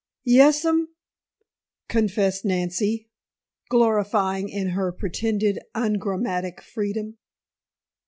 "Yes sum!" confessed Nancy, glorifying in her pretended ungrammatic freedom.